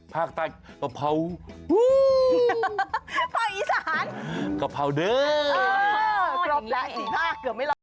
สีภาคเกือบไม่รอด